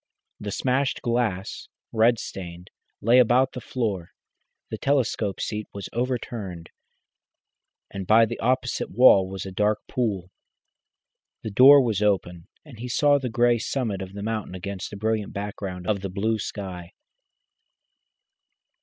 The smashed glass, red stained, lay about the floor, the telescope seat was overturned, and by the opposite wall was a dark pool. The door was open, and he saw the grey summit of the mountain against a brilliant background of blue sky.